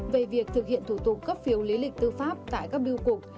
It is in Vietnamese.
về việc thực hiện thủ tục cấp phiếu lý lịch tư pháp tại các biêu cục